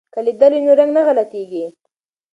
که لیدل وي نو رنګ نه غلطیږي.